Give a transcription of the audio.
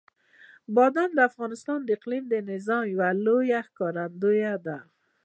بادام د افغانستان د اقلیمي نظام یوه لویه ښکارندوی ده.